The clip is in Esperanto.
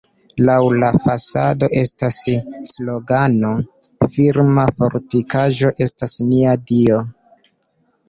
Laŭ la fasado estas slogano: "Firma fortikaĵo estas nia Dio".